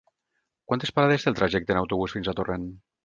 Quantes parades té el trajecte en autobús fins a Torrent?